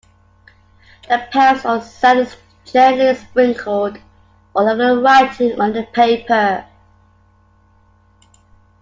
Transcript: The pounce or sand is gently sprinkled all over the writing on the paper.